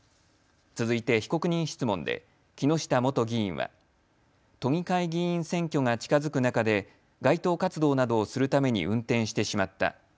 続いて被告人質問で木下元議員は都議会議員選挙が近づく中で街頭活動などをするために運転してしまった。